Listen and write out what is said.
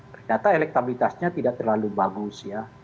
ternyata elektabilitasnya tidak terlalu bagus ya